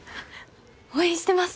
応援してます！